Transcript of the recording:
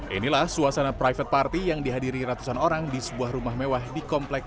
inilah suasana private party yang dihadiri ratusan orang di sebuah rumah mewah di kompleks